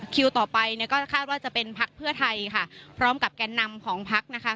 ต่อไปเนี่ยก็คาดว่าจะเป็นพักเพื่อไทยค่ะพร้อมกับแก่นนำของพักนะคะ